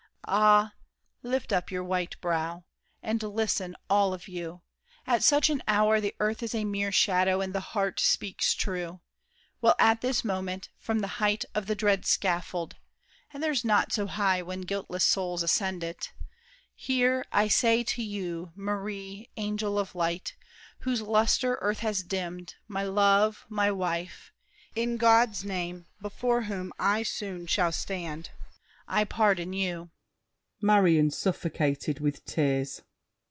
Ah, lift up your white brow! And listen, all of you. At such an hour The earth is a mere shadow and the heart Speaks true. Well, at this moment, from the height Of the dread scaffold—and there's naught so high When guiltless souls ascend it—here, I say to you, Marie, angel of light, Whose luster earth has dimmed, my love, my wife, In God's name, before whom I soon shall stand, I pardon you.